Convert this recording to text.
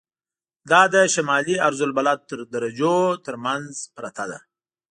دا د شمالي عرض البلد تر درجو تر منځ پرته ده.